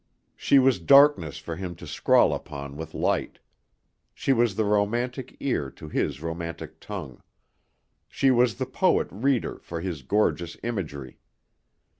She was darkness for him to scrawl upon with light; she was the romantic ear to his romantic tongue; she was the poet reader for his gorgeous imagery.